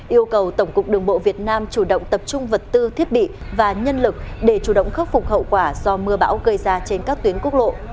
yêu cầu tổng cục đường bộ việt nam chủ động tập trung vật tư thiết bị và nhân lực để chủ động khắc phục hậu quả do mưa bão gây ra trên các tuyến quốc lộ